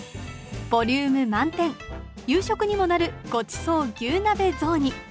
ボリューム満点夕食にもなるごちそう牛鍋雑煮。